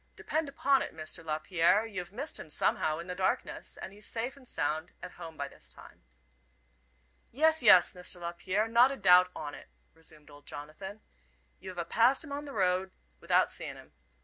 Depend upon it, Mr. Lapierre, you've missed him somehow in the darkness, and he's safe and sound at home by this time." "Yes, yes, Mr. Lapierre, not a doubt on it," resumed old Jonathan, "you've a passed him on the road athout seein' 'im.